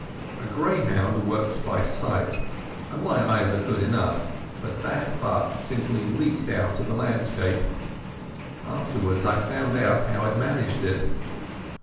A greyhound works by sight, and my eyes are good enough, but that buck simply leaked out of the landscape. Afterwards I found out how it managed it.